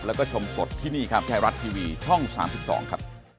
แล้วก็ชมสดที่นี่ครับไทยรัฐทีวีช่อง๓๒ครับ